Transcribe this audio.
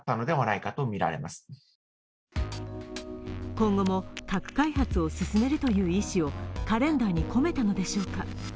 今後も核開発進めるという意思をカレンダーに込めたのでしょうか